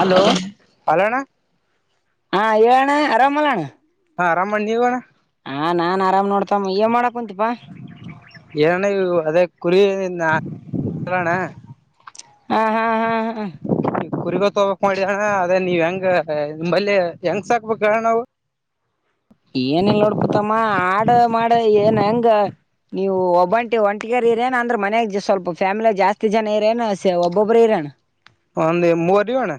Hello ಅಲಣ್ಣ ಹಾ ಹೇಳನ ಅರಾಮ ಹಾ ರಾಮಣ್ಣ ನೀವಣ ಹಾ ನಾನ್ ಆರಾಮ ನೋಡ್ತಮ್ಮ ಮಾಡಕ್ ಕುಂತೀಪಾ ಏನ ಅದೇ ಕುರಿ ನಲಣ ಹಾ ಹಾ ಹಾ ಹಾ ರಿಗೋ ತಗಕ್ ಮಾಡಿ ಅಣ್ಣ ಅದೇ ನೀವ್ ಹೆಂಗ ನಿಂಬಲ್ಲಿ ಹೆಂಗ ಸಾಕ್ಬೇಕಣ್ಣ ನಾವು ಏನನ್ ನೋಡ್ಪತಮ್ಮ ಆ ಮಾಡ ಏನ್ ಹೆಂಗ ನೀವು ಒಬ್ಬಂಟಿ ಒಂಟಗರ್ ಇರೇನ ಅಂದ್ರ ಮನ್ಯಾಗ ಸ್ವಲ್ಪ ಫ್ಯಾಮಿಲಾಗ ಜಾಸ್ತಿ ಜನ ಇರೇನ ಒಬ್ಬೊಬ್ಬರು ಇರೇಣ ಒಂದ ಮೂವರಿವಣ್ಣ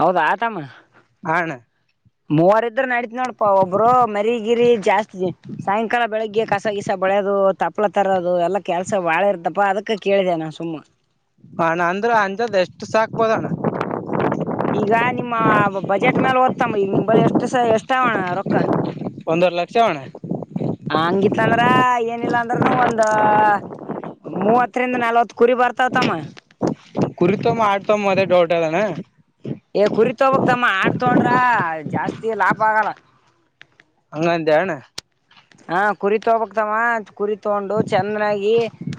ಹೌದಾ ಆತಾಮ ಆಣ ಮೂವರ್ ಇದ್ರ ನಡತಿ ನೋಡಪಾ ಒಬ್ರು ಮರಿಗಿರಿ ಜಾಸ್ತಿ ಸಾಯಂಕಾಲ ಬೆಳಿಗ್ಗೆ ಕಸ ಗಸ ಬೆಳ್ಯೋದು ತಪ್ಪಲ ತರೋದು ಎಲ್ಲಾ ಕೆಲ್ಸ ಬಾಳೆ ಇರ್ತಪ್ಪ ಅದಕ್ಕೆ ಕೇಳಿದೆ ನಾನ್ ಸುಮ್ಮ ಹಣ್ಣ ಅಂದ್ರ ಅಂಜದ್ ಎಷ್ಟು ಸಾಕ್ಬೋದ ಅಣ್ಣ ಈಗ ನಿಮ್ಮ ಬಜೆಟ್ ಮೇಾಲ ಓದ್ತಮ್ಮ ಈಗ ನಿಮಳಿ ಎಷ್ಟು ಎಷ್ಟಾವಣ ರೊಕ್ಕ ಒಂದರ ಲಕ್ಷ ಅವಣ ಹಂಗಿತ್ತಂದ್ರ ಏನಿಲ್ಲ ಅಂದ್ರನು ಒಂದ ಮೂವತ್ತರಿಂದ ನಲ್ವತ್ ಕುರಿ ಬರ್ತಾವತಮ್ಮ ಕುರಿತೋ ಮಾಡ್ತೋ ಮತ್ತೆ ಡೌಟ್ ಅದಾನ ಏ ಕುರಿತ ಹಬತಮ್ಮ ಆಡ್ತೊಂಡ್ರ ಜಾಸ್ತಿ ಲಾಭ ಆಗಲ್ಲ ಅಂಗಂತಣ ಹಾ ಕುರಿ ತಗಬಕ್ತವ ಕುರಿ ತಗೊಂಡು ಚಂದಾಗಿ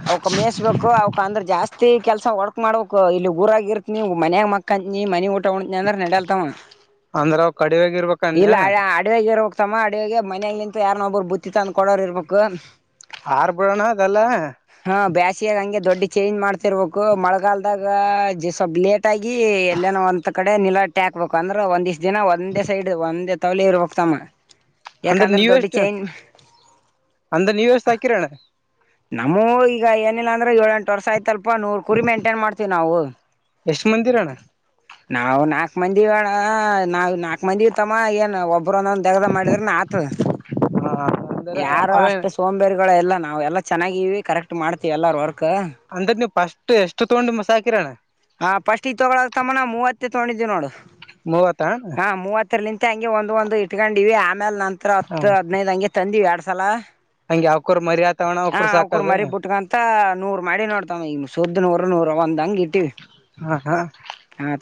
ಅವಕ್ ಮೇಯಸ್ಬೇಕು ಅವಕ್ ಅಂದ್ರ ಜಾಸ್ತಿ ಕೆಲಸ ಒಡಕ್ ಮಾಡಕ್ ಇಲ್ಲಿ ಊರ ಆಗಿರ್ತ್ ನೀ ಮನ್ಯಾಗ ಮಕಂತ ನೀ ಮನ ಒಟ್ಟ ಂದ್ರ ನಡಲ್ತಾವ ಅಂದ್ರ ಅವ್ ಕಡಿವ್ಯಾಗ್ ಇರ್ಬೇಕಂದೆ ಇಲ್ಲ ಅಡಾಗಿರ ತಮ್ಮ ಅಡಗೆ ಮನಯಾಗ ನಿಂತ ಯಾರ ನೊಬರು ಬುತ್ತಿ ತಂದ ಕೊಡೋರ್ ಇರ್ಬೇಕು ಆರ್ಬಿಡೋಣ ಅಲ್ಲ ಹ ಬ್ಯಾಸಿಯಾಗ ಹಂಗೆ ದೊಡ್ಡ ಚೇಂಜ್ ಮಾಡ್ತಿರ್ಬೇಕು ಮಳೆಗಾಲದಾಗ ಸ್ವಲ್ಪ್ ಲೇಟ್ ಆಗಿ ಎಲ್ಲೇನೋ ಒಂದ್ ಕಡೆ ನಿಲಾಟ್ಟಿ ಹಾಕ್ಬೇಕು ಅಂದ್ರ ಒಂದ ಇಷ್ಟ್ ದಿನ ಒಂದೇ ಸೈಡ್ ಒಂದೇ ತವಲಿ ಇರ್ಬೇಕಕ್ ತಮ್ಮ ಯಾಕಂದ್ರೆ ದೊಡ್ಡ ಚೈನ್ ಅಂದ ನೀ ಯಸ್ಾಕರಣ ನಮ್ಮೂ ಈಗ ಏನಿಲ್ಲ ಅಂದ್ರ ಏಳ ಎಂಟು ವರ್ಷ ಆಯ್ತಲ್ ಅಪ್ಪ ನೂರು ಕುರಿ ಮೈಂಟೈನ್ ಮಾಡ್ತವಿ ನಾವು ಎಷ್ಟ ಮಂದಿರಣ್ಣ ನಾವು ನಾಕ್ ಮಂದಿಣ ನಾ್ ನಾಕ್ ಮಂದಿ ಇತಮ್ಮ ಏನ್ ಒಬ್ಬರು ಒಂದೊಂದು ಗ ಮಾಡಿದ್ರ ಆತದ ಹ ಅಂದ್ರ ಯಾರೋ ಅವೇ ಅಷ್ಟು ಸೋಂಬೇರಿಗಳು ಎಲ್ಲ ನಾವವು ಎಲ್ಲ ಚೆನ್ನಾಗಿ ಕರೆಕ್ಟ್ ಮಾಡ್ೀವಿ ಎಲ್ಲು ವರ್ಕ್ ಕ್ಕ ಅಂದ್ರ ನೀವ್ ಫಸ್ಟ್ ಎಷ್ಟು ತಗೊಂಡು ಮ ಸಾಾಕಿರೋಣ ಹಾ ಫಸ್ಟ್ ಈ ತೊಗೊಳ ತಮ್ಮಾನ ಮೂವತ್ತತ್ ತಗೊಂಡಿದೀವಿ ನೋಡು ಮ ಹಾ ಮೂವತ್ತು ನಿಂತ ಹಂಗೆ ಒಂದ್ ಒಂದು ಇಟ್ಕೊಂಡಿವವಿ. ಆಮೇಲೆ ನಂತರ ಹ ಹತ್ತು ಹದಿನೈದ ಹಂಗೆ ತಂದು ಎರಡು. ಮಸಾಲ. ಹಂಗೆ ಅವಕೂರ್ ಮರಿ ಆತವಣ ಹಾ ಅವಕೂರ್ ಸಾಕದು ಮರಿ ಬಿಟ್ಕಂತ ನೂರ್ ಮಾಡಿ ನೋಡ್ತಾವ ಈಗ. ಸೋದನೂರ ನೂ ರ ಅಂತ ಅಂಗ. ಹ ಹಾ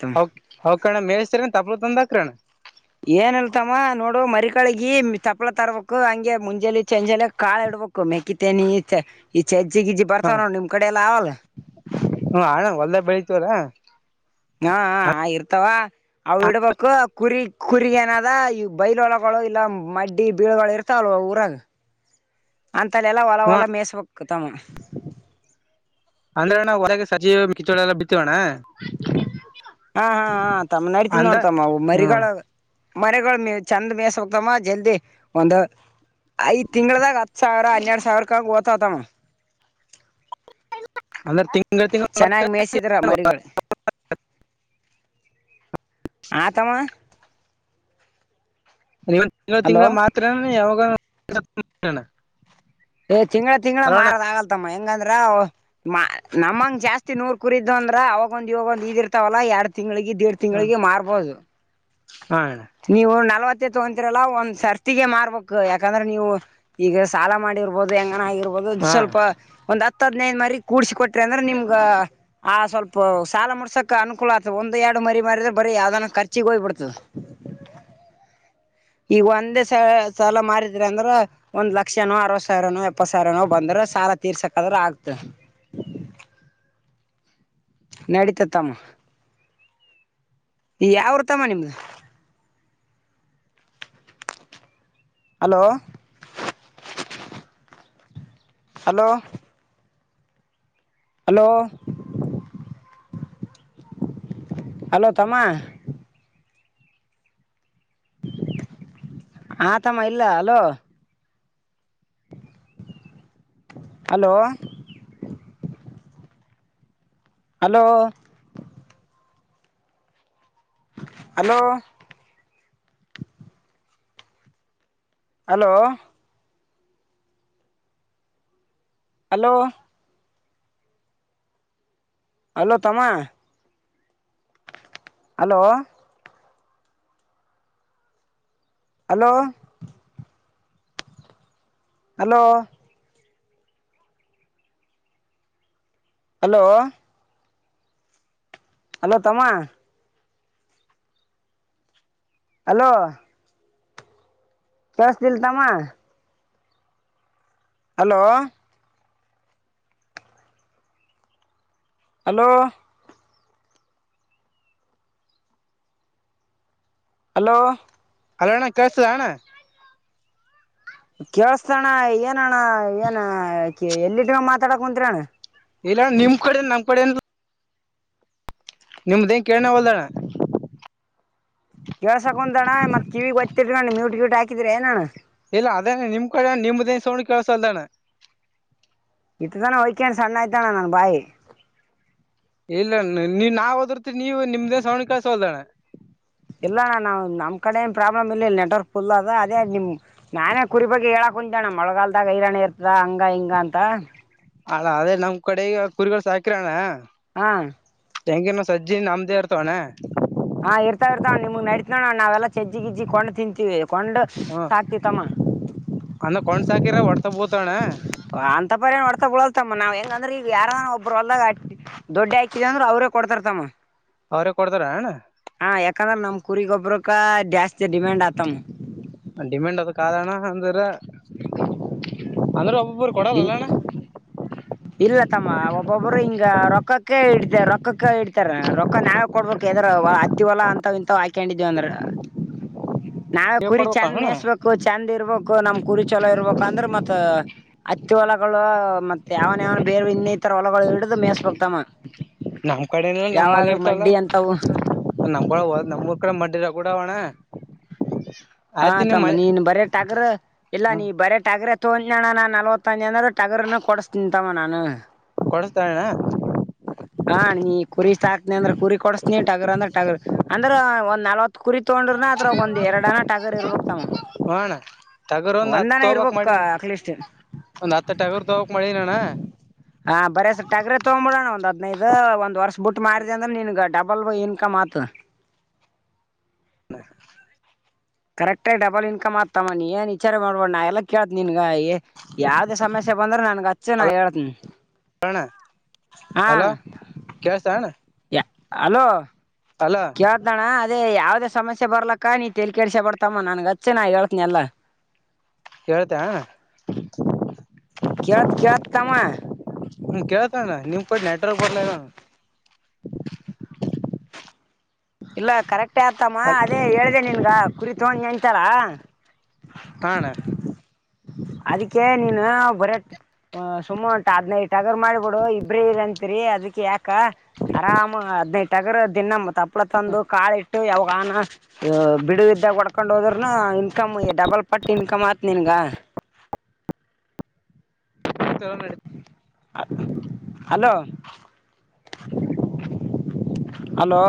ತಮ್ಮ ಅವ ಕಣ್ಣ ಮೇಳ್ಸ್ತರ ತಪ್. ಂದಕ್ರಣ. ಏನ್ಲ್ತಮ್ಮ ನೋಡು ಮರಿಕಳಗಿ ಚಪ್ಪಳ ತರ್ಬೇಕಕ್ು ಹಂಗೆ ಮುಂಜಾಲೆ ಚಂಜಲಿ ಕಾಳ ಇಡ್ಬೇಕು ಮೆಕ್ಕಿ ತನಿ ಈ ಚ. ಕಜ್ಜಿಗಿಜ್ಜಿ ಹ ಬರ್ತವ ನೋ ನಿಮ್ ಕಡೆ ಎಲ್ಲ ಅವಲ್ಲ. ಬೆಳಿತವಲ್ಲಾ. ಹಾ ಇರ್ತಾವ. ಅವಡ ಪಕ್ಕ. ಕುರಿ ಕುರಿಗ ಏನದ ಈ ಬೈಲ ಒಳಗಳು ಇಲ್ಲ ಮಡ್ಡಿ ಬೀಳಗಳು ಇರ್ತಾವಲ್ವ ಊರಾಗ. ಅಂತಲೆೆಲ್ಲ ಒಲ ಹ್ಮ ಹೊಲ ಮೇಸಬೇಕು. ಕತಾಮ. ಅಂದ್ರಣಾ ಹೊರಗೆ ಸಜೀವ ಕಿಚ್ಚೋಳೆಲ್ಲ ಬಿತ್ತವಣ್ಣ. ಹಾ ಹಾ ಹಾ ತಮಿಳ್ನಾಡ ತಿಿಂದ ಅಂದ್ರ ನೋಡ್ತಮ್ಮವು ಹ್ಮ ಮರಿಗಳು ಮರಿಗಳು ಮೇ. ಚೆಂದ ಮೇಸ ಹೋಗ್ತಾಮ ಜಲ್ದಿ ಒಂದು. ಐ್ ತಿಂಗಗಳದಾಗ ಹತ್ ಸಾವಿರ ಹನ್ನೆರಡ್ ಸಾವಿರಕ. ತ್ತಾದಾಮ. ಹ್ಮ್ಮ್. ಅಂದೆ ತೀಂಗಗಳು ಮೇಯಿಸಿದ್ರ ತೀಂಂಗಗಳು ಮರಿಗಳು ಮತ. ಹಾ ತಮ್ಮ. ತಿಂಳ ತಿಂಗಳು ಮಾತ್ರ ಯಾವಾಗ. ಹ್ಮ್ಮ್. ಹ. ತಿಂಗಳ ತಿಂಗಳ ಮಾರದ ಆಗಲ್ತಮ್ಮ ಹೆಂಗಂದ. ನಮ್ಮಂಗ ಜಾಸ್ತಿ ನೂರ್ ಕುರಿದು ಅಂದ್ರ ಅವಾಗೊಂದ್ ಇವಾಗ ಒಂದ ಇದಿರ್ತಾವಲ್ಲ ಎರಡ್ ತಿಂಗಗಳಿಗೆ. ೇಡು ಹ ತಿಂಗಳಿಗೆ ಮಾರ್ಬೋದು. ಹ ಅಣ್ಣ ನೀವು ನಲ್ವತ್ತು. ತೊಂತರಲ್ಲ ಒಂದ್ ಸರ್ತಿಗೆ ಮಾರ್ಬೇಕು ಯಾಕಂದ್ರೆ ನೀವು ಈಗ ಸಾಲ ಮಾಡ. ರ್ಬಹುದು ಹೆಂಗನ ಆಗಿರ್ಬಹುದು ಹಾ ಸ್ವಲ್ಪ ಒಂದ. ಹದ್ನೇನ್ ಮರಿ ಕೂಡಸ ಕೊಟ್ಟ. ಅಂದ್ರೆ ನಿಮ್ಗ ಆ ಸ್ವಲ್ಪ. ಇ ಸಾಲ ಮುಡ್ಸಕಕ್ ಅನುಕೂಲ ಆಗ್ತದ ಒಂದ ಎರಡು ಮರಿ ಮಾರಿದ್ರೆರಿ ಅಾವದನ್ನ ಖರ್ಚಿಿಗೆ ಹೋಗ್ ಬಿಡ್ತದೆ. ಈಗ ಒಂದೇ ಸ ಸಾಲ ಮಾರಿದ್ರ ಅಂದ್ರ ಒಂದ್ ಲಕ್ಷನೋ ಅರವತ್ ಸಾವಿರನೋ ಎಪ್ಪತ್ ಸಾವಿರನೋ ಬಂದ್ರ ಸಾಲ ತೀರ್ಸಕಾದ್ರ ಆಗ್ತ ನಡೀತತ್ತಮ್ಮ ಯಾವ್ ಊರು ತಮ್ಮ ನಿಮ್ದ ಹಲೋ ಹಲೋ ಹಲೋ ಹಲೋ ತಮ್ಮ ಆತಮ್ಮ ಇಲ್ಲ hello hello hello hello hello hello hello ತಮ್ಮ hello hello hello hello hello ತಮ್ಮ ಹಲೋ ಕೇಳ್ಸತಿಲ ತಮ್ಮ ಹಲೋ ಹಲೋ ಹಲೋ ಹಲೋ ಅಣ್ಣ ಕೆಸದಣ್ಣ ಕೇೇಳಸ್ತಣ್ಣ ಏನಣ್ಣ ಏನ ಎಲ್ಲಿಟಗ ಮಾತಾಡಕ್ ಕುಂತ್ರಿ ಅಣ್ಣ ಇಲ್ಲ ನಿಮ್ ಕಡೆ ನಮ್ ಕಡೆನ್ ನಿಮ್ದೇಂಗ ಕೇಳನ ಹೊಲ್ಣ್ಣ ಕೆೇಳಸಕ್ ಕುಂತಡ್ಣ ಮತ್ ಕಿವಿಗೆಗ್ಓತ್ತಿದ್ರಣ್ ಮ್ಯೂಟ್ ಗ್ಯೂಟ್ ಹಾಕಿದ್ರ ನಾನು ಇಲ್ಲ ಅದೇನ ನಿಮ್ ಕಡೆ ನಿಮ್ದೇನ್ ಸೋಡ ಕೆಲ್ಸ ಅಲ್ದಾನ ಇಟ್ಟ ತಾನ ಹಯ್ಕನ್ ಸಣ್ಣ ಆಯ್ತಾನ್ಣ ನನ್ ಬಾಯಿ ಇಲ್ಲಣ್ಣ ನೀ ನಾವ್ ಹೋದರ್ತ್ ನೀವು ನಿಮ್ದೇ ಸವಡ ಕಯಸೋಲ್ದಣ್ಣ ಇಲ್ಲ ನಣ ನಾವು ನಮ್ಮ ಕಡ ಏನು ಪ್ರಾಬ್ಲಮ್ ಇಲ್ಲ ನೆಟ್ವರ್ಕ್ ಫುಲ್ ಅದು ಅದೇ ನಿಮ್ಮ ನಾನೇ ಕುರಿ ಬಗ್ಗೆ ಹೇಳಕ್ ಕುಂ ಜಣ ಮೊಳಗಲ್ದಾಗ ಹೈರಾಣ್ಯ ಇರ್ತದ ಹಂಗ ಹಿಂಗ ಅಂತ ಅಲ್ಲ ಅದೇ ನಮ್ ಕಡೆಗ ಕುರಿಗಳು ಸಾಕಿರಣ್ಣ ಹಾ ತೆಂಗಿನ ಸಜ್ಜಿನ ನಮ್ದೇ ಇರ್ತವಣ್ಣ ಹಾ ಇರ್ತಾವ ಇರ್ತವ್ಣ ನಿಮಗ್ ನಡೀತ ನೋಣ ನಾವೆಲ್ಲ ಚಜ್ಜಿ ಗಿಜ್ಜಿ ಕೊಡ ತಿಂತೀವಿ ಕೊಂಡ ಹ್ಮ ಸಾಕ ತಮ್ಮ ಅನ್ನ ಕೊಂಡ್ [unintelligible] ಅಂತ ಪರ ಒಡ್ತಾ ಬಿಳಲ್ತಮ್ಮ ನಾವ್ ಹೆಂಗಂದ್ರ ಈಗ ಯಾರಾನ ಒಬ್ಬರು ಹೊಲ್ದಾಗ ದೊಡ್ಡ ಹಾಕಿದ ಅಂದ್ರರು ಅವ್ರೇ ಕೊಡ್ತಾರತಮ್ಮ ಅವ್ರೇ ಕೊಡ್ತಾರ ಅಣ್ಣ ಹಾ ಯಾಕಂದ್ರ ನಮ್ ಕುರಿಗೊಬ್ರಕ್ಕ ಜಾಸ್ತಿ ಡಿಮ್ಯಾಂಡ್ ಆತಮ್ಮ ಡಿಮ್ಯಾಂಡ್ ಅದ ಕಣ ಅಂದ್ರ ಮ್ಮ್ [unintelligible] ಒಬ್ಬರು ಕೊಡಲ್ಲಣ್ಣ. ಇಲ್ಲ ತಮ್ಮ ಒಬ್ಬೊಬ್ರ ಹಿಂಗ ರೊಕ್ಕಕ್ಕೆ ಇಡ್ತ ರೊಕ್ಕಕ್ಕ ಇಡ್ತಾರ ರೊಕ್ಕ ನಾವೇ ಕೊಡ್ಬೇಕ ಎಲ್ಲಿರ ಅತ್ತಿ ಹೊಲಾ ಅಂತವ ಇಂತವ ಹಾಕೊಂಡಿದೇವ ಅಂದ್ರ. ನಾವೇ ನೀವ್ ಕುರಿ ಕೊಡ್ಬೇಕ ಚೆಂದ ಅಣ್ಣ ಮೇಯಸ್ಬೇಕು ಚೆಂದ ಇರ್ಬೇಕು ನಮ್ ಕುರಿ ಚಲೋ ಇರ್ಬೇಕು ಅಂದ್ರ ಮತ್ ಹತ್ತಿ ಹೊಲಗಳು ಯಾವನ್ ಯಾವನ ಬೇರೆ ಇನ್ನಿತರ ಹೊಲಗಳು ಹಿಡಿದು ಮೇಸ್ಬಕ್ತಮ್ಮ ನಮ್ ಕಡೆನ ನಮ್ಮಲ್ಲಿ ಯಾವಾದ್ರೂ ಇರ್ತವಲ್ಲ ಮಡ್ಡಿ ಅಂತವು ಕೂಡಾವಣ. ಹಾ ತಮ್ಮ ನೀನ್ ಬರೆ ಟಗರ ಇಲ್ಲಾ ಹ್ಮ ನೀ ಬರೆ ಟಗರ ತಗೋತನನ್ನೀ ನಲವತ್ತ ಅನ್ನಿ ಅಂದ್ರ ಟಗರಣ ಕೊಡಿಸ್ತನ ತಮ್ಮ ನಾನ್. ಕೊಡಸ್ತೀರಣ್ಣಾ. ಹಾ ನೀ ಕುರಿ ಸಾಕ್ತಾನಿ ಅಂದ್ರ ಕುರಿ ಕೊಡಸ್ತನಿ ಟಗರ್ ಅಂದ್ರ ಟಗರ್ ಅಂದ್ರೆ ಒಂದ ನಲ್ವತ್ತ ಕುರಿ ತಕೊಂಡ್ ಡ್ರನ ಅದತ್ರ ಒಂದ ಎರಡನ ಟಗರ್ ಇರ್ಬೇಕು ಹ ಅಣ್ಣ ಟಗರ್ ಒಂದ್ ಹತ್ ಒಂದನ ತೋಬಕ್ ಇರ್ಬೇಕಕ್ ಮಾಡಿ ಅಕ್ಲೇಶ ಒಂದ್ ಹತ್ತು ಟಗರ್ ತೋಬಕ್ ಮಾಡಿನಣ್ಣ ಹ ಬರ ಸರ್ ಟಗ್ರ ತಗೊ್ಂಬಿಡೋಣ ಒಂದ್ ಅ ಇದ ಒಂದ್ ವರ್ಷ ಬಿಟ್ಟ ಮಾಡಿದ ಅಂದ್ರೆ ನಿನಗ್ ಡಬಲ್ ಇನ್ಕಮ್ ಆತ. [inaudible] ಕರೆಕ್ಟಾಗಿ ಡಬಲ್ ಇನ್ಕಮ್ ಆತ ತಮ್ಮ ನಿ ಏನ್ ವಿಚಾರ ಮಾಡ್ಬ್ಯಾಡ ನಾ ಎಲ್ಲಾ ಕೇಳ್ತನ್ ನಿನಗ್ ಏ ಯಾವ್ದ ಸಮಸ್ಯೆ ಬಂದ್ರ ನನಗ ಅಚ್ಚ ನಾ ಅಲ ಹೇಳ್ತನ ಅಣ್ಣ ಹಾ. ಅಲೋ ಕೇಳ್ತ ಅಣ್ಣ ಯಾ ಹಲೋ ಅಲೋ ಕೇಳ್ತನ್ ಅಣ್ಣ ಅದೇ ಯಾವ್ದೇ ಸಮಸ್ಯೆ ಬರ್ಲಕ್ಕ ನೀ ತೇಲಿ ಕೆಡಿಸ್ಕೊಬ್ಯಾಡ್ ತಮ್ಮ ನನಗ ಅಚ್ಚ ನಾ ಹೇಳ್ತನ ಎಲ್ಲಾ. ಹೇಳ್ತೇ ಕೇಳ್ತ ಕೇಳ್ತ ತಮ್ಮಾ. ಹ್ಮ್ ಕೇಳ್ತಣ್ಣ ನಿಮ್ ಕಡೆ ನೆಟ್ವರ್ಕ್ ಬರ್ಲಾಗೆದಿ ಅಣ್ಣ. ಇಲ್ಲಾ ಕರೆಕ್ಟೇ ಆತಮ್ಮ ಅ ಅದೇ ಹೇಳ್ದೆ ನಿನಗ ಕುರಿ ತಗೊಂಡಿಅಂತಲ್ಲಾ ಹಾ ಅಣ್ಣ. ಅದಕ್ಕೆ ನೀನು ಬರೆ ಅ ಸುಮಂಟ ಹದನೈದ ಟಗರ್ ಮಾಡಿ ಬಿಡು ಇಬ್ರೇ ಇ ತ್ರಿ ಅದ್ಕೆ ಯಾಕ ಆರಾಮ್ಗ ಹದನೈದ ದಿನ ಮ ತಪ್ಪಳ ತಂದು ಕಾಳ ಯಾವಾಗಾನ ಬಿಡುವಿದ್ದಾಗ ಹೊಡ್ಕೊಂಡ್ ಹೋದ್ರನ ಇನ್ಕಮ್ ಡಬಲ್ ಪಟ್ಟು ಇನ್ಕಮ್ ಆತ್ ನಿನ್ಗ ಅಣ್ಣ ಹಲೋ ಮ್ ಹಲೋ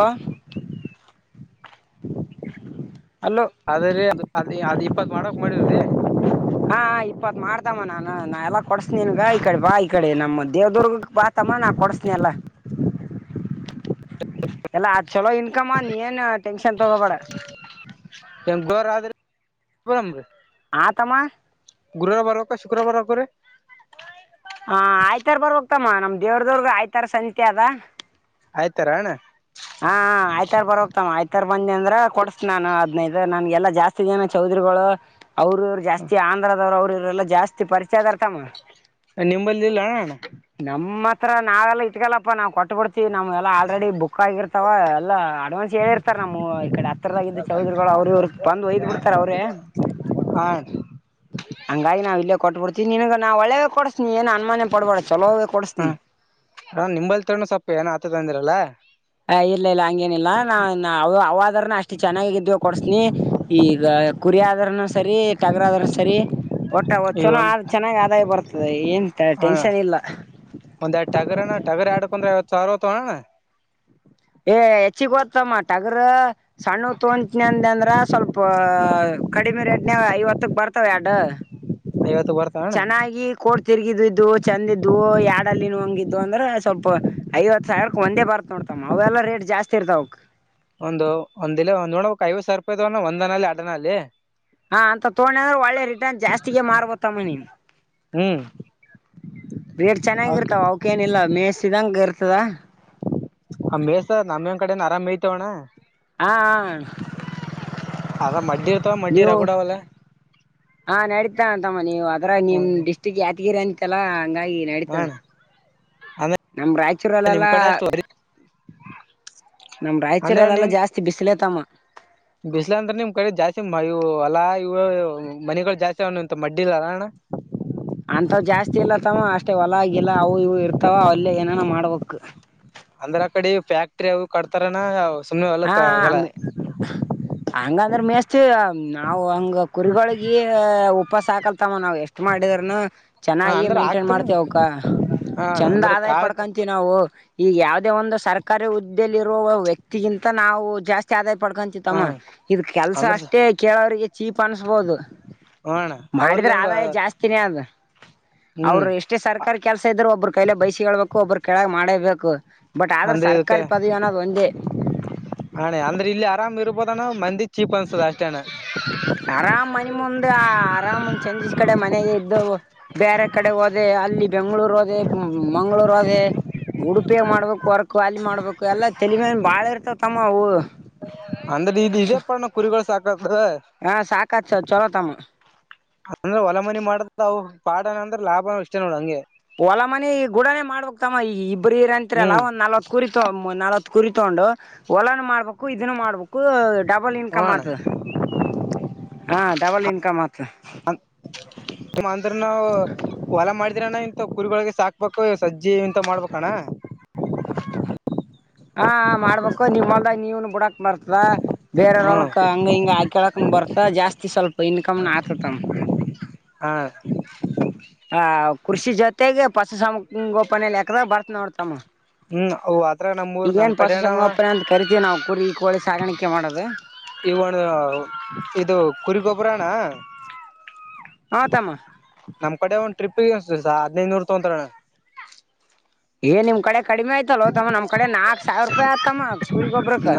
ಹಲೋ ಅದ್ರೀ ಅ ಅದ ಇಪ್ಪತ್ ಮಾಡಕ್ ಮಾಡಿವ್ರೀ ಹಾ ಇಪ್ಪತ್ ಮಾಡ್ದಮ್ಮ ನಾನು ನಾ ಎಲ್ಲ ಕೊಡ್ಸನ್ ಗಾಯಿ ಕಡ್ ಬಾಯ ಕಡೆ ನಮ್ಮ ದೇವದುರ್ಗ ಬ ತಮ್ಮ ನಾು ಕೊಡಿಸನ ಅಲ್ಲ ಎಲ್ಲಾ ಅ ಚಲೋ ಇನ್ಕಮ ನೀ ಏನು ಟನ್ಷನ್ ತೊಗಬಡ ರ ಆ ತಮ್ಮ ಗುರುವಾರ ಬಾರಕ ಶುಕ್ರ ಬಾರಕ ಹಾ ಆಯ್ತಾರ್ ಬರ್ ಹೋಗ್ತಮ್ಮ ನಮ್ದ ದೇವ್ರ ದವ್ರಗ ಆಯ್ತಾರ ಸಂತೆ ಅದ ಆಯ್ತಾರ ಅಣ್ಣ ಹಾ ಆಯ್ತಾರ ಬರ ಹ್ತಮ್ಮ ಆಯ್ತ ತರ ಬಂದಿ ಅಂದ್ರ ಕೊಡ್ಸ ನಾನು ಹದ್ನೈದು ನನ್ಗೆಲ್ಲಾ ಜಾಸ್ತಿ ದನ ಚೌದರಿಗಳು ಅವ್ರರುವ್ರು ಜಾಸ್ತಿ ಆಂಧ್ರದವ್ರ ಅವ್ರರು ಲ್ಲ ಜಾಸ್ತಿ ಪರಿಚಯ ಅದ ಅರ್ಥಮ್ಮ ನಿಮ್ಮಲಿಲ್ಲ ರ ನಾವೆಲ್ಲ ಇಟ್ಗಲ್ಲಪ್ಪ ನಾ ಕೊಟ್ಟುಬಿಡ್ತವಿ ನಮಗೆಲ್ಲ ಆಲ್ರೆಡಿ ಬುಕ್ ಚೆನ್ನಾಗಿರ್ತಾವ ಅಲ್ಲ ಅಡ್ವಾನ್ಸ್ ಹೇಳಿ ಇರ್ತಾರ ನಮ್ಮ ಈ ಕಡೆ ಹತ್ತಿರದಾಗ ಚೌದರಿಗಳು ಅವ್ರ ಬಂದು ಒಯ್ದ್ ಬಿಡ್ತಾರ ಅವ್ರೇ ಹಾ ಹಂಗಾಗಿ ನಾವು ಇಲ್ಲೇ ಕೊಟ್ಟ ಕೊಡ್ತೀನಿ ನಿನಗ ನಾ ಒಳ್ಳೆದ್ ಕೊಡ್ಸನಿ ಏನ್ ಅನ್ಮಾನ ಪಡ್ಬಾರಡ ಚಲೋ ಹ ನಿಂಬಲ್ ತ ಸೊಪ್ಪು ಏನ ಆತ ತಂದಿರಲ್ಲಾ ಆ ಟಗರಿನ ಅಷ್ಟು ಚೆನ್ನಾಗಿ ಇದ ಕೊಡ್ಸ್ನಿ ಈಗ ಕುರಿ ಅದ್ರನು ಸರಿ ಟಗರ್ ಅದ್ರ ಸರಿ ಒಟ್ಟ ಒ ಈಗ ಚನೋ ಒಂದ್ ಚೆನ್ನಾಗ್ ಆದಾಯ ಬರ್ತದೆ ಏನ್ ಹ ಟೆನ್ಷನ್ ಇಲ್ಲ ಸಾರೋ ತ ಹ ಏ ಹೆಚ್ಚಿಗೆ ಓದ್ತ ಮಾ ಟಗರು ಸಣ್ಣ ತೋನ ಅ ಅಂದ್ರ ಸ್ವಲ್ಪ ಕಡಿಮೆ ರೇಟ್ ಐವತ್ತಕ್ ಬರ್ತಾವ ಎರಡು ಐವತ್ ಚೆನ್ನಾಗಿ ಕೋಡ್ ತಿರುಗಿದು ಚಂದಿದ್ದು ಯಾಡಲ್ಲಿ ನ ಹಂಗಿದ್ದು ಅಂದ್ರೆ ಸ್ವಲ್ಪ ಐವತ್ತು ಸಾವಿರಕ್ಕೆ ಒಂದೇ ಬರ್ತ್ ನೋಡ್ತಮ್ಮ ಅವೆಲ್ಲ ರೇಟ್ ಜಾಸ್ತಿ ಇರ್ತಾವಕ್ ಒಂದು ಒಂದಿಲ್ಲ ಒಂದ್ ನೋಡಕ್ ಐವತ್ತು ಸಾವರ ರೂಪಾಯಿದವನ ಒಂದನಲ್ಲಿ ಅಡನಾಲಲ್ಲಿ ಹ ಅಂತ ತೊಡ ಅಂದ್ರೆ ಒಳ್ಳೆ ರಿಟರ್ನ್ ಜಾಸ್ತಿಗೆ ಮಾರ್ಬತ್ತಮ್ಮನನ್ ಹ್ಮ್ ರೇಟ್ ಓಕೆ ಚೆನ್ನಾಗಿರ್ತಾವ ಅವಕೇಏನ ಇಿಲ್ಲ ಮೇಯಸಿದಂಗ ಇರ್ತ ಸವಾ [inaudible] ಆ ಮೇಸ ನಮೇನ್ ಕಡೆನ ಅರಾಮಿ ಮತವಣ್ಣ ಹಾ ಅದ ಮಡ್ಡಿ ಇರ್ತಾವ ಮಡ್ಡಿ ನೀವು ರಗುಡವಲ್ಲ ಹ ನಡೀತಾ ಅಂತಮ್ಮ ನೀವು ಅದರ ನಿಮ್ ಡಿಸ್ಟ್ರಿಕ್ ಈರಂಂತಲ ಚಂದಾಗಿ ಹಾ ನಡೆದ ಅಣ್ಣ ಅಂದ್ರ ನಮ ನಿಮ್ ರಾಯಚೂರಲ್ಲೆಲ್ಲಾ ಕಡೆ ಅಷ್ಟು ನಮ ಅಂದ್ರ ರಾಯಚೂರಲ್ಲೆಲ್ಲಾ ನಿಮ್ ಜಾಸ್ತಿ ಬಿಸಿಲತಮ್ಮ ಮ್ಮ ಇವು ಅಲ್ಲಾ ಇವು ಮನೆಗಳು ಜಾಸ್ತಿ ಅವಣಂತ ಮಡ್ಡಿಲ್ಲಲ್ಲ ಅಣ್ಣ ಅಂತವ ಜಾಸ್ತಿ ಇಲ್ಲತ್ತಮ್ಮ ಅಷ್ಟೇ ಹೊಲ ಆಗಿಲ್ಲ ಅವು ಇವು ಇರ್ತಾವ ಅಲ್ಲೇ ಏನನ ಮಾಡ್ಬೇಕು ಅಂದ್ರ ಆ ಕಡೆ ಫ್ಯಾಕ್ಟ್ರಿ ಅವರು ಕಡ್ತಾರನಾ ಹಾ ಹಂಗ ಅಂದ್ರೆ ಮೇಸ್ ಮ ನಾವು ಹಂಗ ಕುರಿಗಳೊಗ ಉಪಾಸ ಹಕಲ್ತಮ್ಮ ನಾವ್ ಎಷ್ಟ್ ಮಾಡಿದ್ರನು ಹ ಚೆನ್ನಾಗಿಯ ಅಂದ್ರ ಮೇಂಟೈನ್ ಆಗ್ತನ್ ಮಾಡ್ತೇ ಅವಕ್ಕ ಹ ಅಣ್ಣ ಚಂದ ಅಂದ್ರ ಆದಾಯ ಕಾಳತ್ ಪಡ್ಕಂತೀ ನಾವು ಈಗ ಯಾವುದೇ ಒಂದು ಸರ್ಕಾರಿ ಹುದ್ದೆಯಲ್ಲಿ ಇರುವ ವ್ಯಕ್ತಿಗಿಂತ ನಾವು ಜಾಸ್ತಿ ಆದ ಹಾ ಪಡ್ಕೊಂತತ್ತಮ್ಮ ಇದ ಕೆಲ್ಸ ಅಂದ್ರ ಅಷ್ಟೇ ಕೇಳೋರಿಗೆ ಚೀಪ್ ಅನ್ಸ್ಬೋದು ಹ ಅಣ್ಣ ಮಾಡಿದ್ರೆ ಅವ್ರಿಗಂಗ ಆದಾಯ ಜಾಸ್ತಿನೇ ಅದು ಹ್ಮ್ ಅವ್ರು ಎಷ್ಟೇ ಸರ್ಕಾರಿ ಕೆಲ್ಸ ಇದ್ರರು ಒಬ್ಬ್ರ ಕೈಲೆ ಬೈಸಿಗೆ ಹೇಳ್ಬೇಕು ಒಬ್ಬ್ರ ಕೆಳಗ್ ಮಾಡೇಬೇಕು ಬಟ್ ಆದ್ರ ಅಂದ್ರೆ ಸರ್ಕಾರಿ ಪದವಿ ಅನ್ನೋದು ಒಂದೇ ಹೆ ಅಂದ್ರೆ ಇಲ್ಲಿ ಆರಾಮ್ ಇರ್ಬೋದಾನ ಮಂದಿ ಚೀಪ್ ಅನ್ಸದ ಅಷ್ಟೇಣ್ಣ ಆರಾಮ ಮನೆ ಮುಂದ್ ಆರಾಮ್ಂದ್ ಚೆಜಿಸ ಕಡೆ ಮನೆಗೆ ಬೇರೆ ಕಡೆ ಹೋದೆ ಅಲ್ಲಿ ಬೆಂಗಳೂರು ಅ ಮಂಗಳೂರು ಉಡುಪಿಯ ಮಾಡ್ಬೇಕ ಹೊರಕ್ ಅಾಲಿ ಮಾಡ್ಬೇಕು ಎಲ್ಲ ತಳಮೆ ಬಾಳ ಇರ್ತ ತಮ್ಮ ಅವು ಅಂದ್ರೆ ಇದು ಇದೇ ಪಡ ಕುರಿಗಳು ಸಾಕ ಹಾ ಸಾಕಾ ಚಲೋ ತಮ್ಮ ಅಂದ್ರೆ ಹೊಲ ಮನಿ ಮಾಡದ ಅವು ಪಾಡು ಅಂದ್ರೆ ಲಾಭ ಇಷ್ಟೇ ನೋಡ ಹಂಗೆ ಹೊಲ ಮನ ಗೂಡನನೆ ಮಾಡ್ಬೇಕಕ್ ತಮ್ಮ ಈ ಇಬ್ಬ್ರರ ಅಂರ ಅಲ್ಲ ಹ್ಮ್ ಒ್ನಲ್ವತ್ ಕುರಿತ ನಲ್ವತ್ ಕುರಿತೊಂಡು ಹೊಲನು ಮಾಡ್ಬೇಕು ಇದನ್ನು ಮಾಡ್ಬೇಕು ಡ ಬಲ್ ಹಣ ಇನ್ಕಮದು ಆತದ ಅಂದ್ರ ನಾವು ಹೊಲ ಮಾಡಿದಿರಾನ ಇಂತ ಕುರಿಗಳೊಗೆ ಸಾಕ್ಬೇಕು ಸಜ್ಜಿ ಇಂತ ಮಾಡ್ಬೇಕಣ್ಣ ಹಾ ಮಾಡ್ಬೇಕು ನಿಮ್ಮಲ್ದಾಗ ನೀವನು ಬಿಡಕ್ ಮಾಡರ್ತ ಬೇರೆಯವರ್ ಹ್ಮ್ ಹೊಲ್ಕ ಹಂಗ ಹಿಂಗ ಹಾಕೇಳಕ ಬರ್ತ ಜಾಸ್ತಿ ಅತಿ ಸ್ವಲ್ಪ ಇನ್ಕಮ್ನ ಆತತಮ್ಮ ಹ ಹಾ ಕೃಷಿ ಜೊತೆಗೆ ಪಶು ಸಂಗೋಪನೆೆಯಲ್ಲಿ ಎಕದ ಬರ್ತ್ ನೋಡ್ತಮ್ಮ ಹ್ಮ್ ಅವು ಅದ್ರ ನಮ್ಮೂರ್ ನಮ್ ಈಗೇನ್ ಪಸು ಕಡೆನ ಸಂಗಪ್ರ ಅಂತ ಕರಿತೀ ನಾವು ಕುರಿ ಕೋಳಿ ಸಾಗಾಣಿಕೆ ಮಾಡೋದು ಇವರು ಇದು ಕುರಿಗೊಬ್ಬರಣ್ಣ ಹಾ ತಮ್ಮ ನಮ್ ಕಡೆ ಒಂದ್ ಟ್ರಿಪ್ ಸ್ ಹದ್ನೈದನೂರ್ ತೊಂತಾರಣ್ಣ ಏನ್ ನಿಮ್ ಕಡೆ ಕಡಿಮೆ ಆಯ್ತಲ್ಲ ತಮ್ಮ ನಮ ಕಡೆ ನಾಲ್ಕ್ ಸಾವಿರ ರೂಪಾಯಿ ಆತಮ್ಮ ಕುರಿಗೊಬ್ಬ್ರಕ್